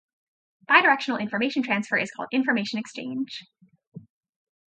Bidirectional information transfer is called information exchange.